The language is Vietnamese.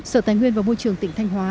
sở tài nguyên và môi trường tỉnh thanh hóa